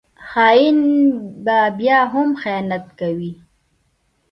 خاین به بیا هم خیانت کوي